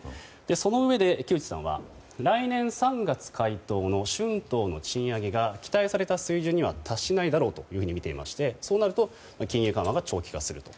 そのうえで木内さんは来年３月回答の春闘の賃上げが期待された水準には達しないだろうとみていましてそうなると金融緩和が長期化すると。